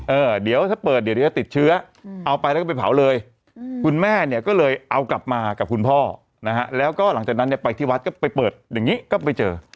เออเดี๋ยวถ้าเปิดเดี๋ยวจะติดเชื้อเอาไปแล้วก็ไปเผาเลยคุณแม่เนี่ยก็เลยเอากลับมากับคุณพ่อนะฮะแล้วก็หลังจากนั้นเนี่ยไปที่วัดก็ไปเปิดอย่างนี้ก็ไปเจอ